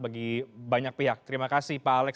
bagi banyak pihak terima kasih pak alex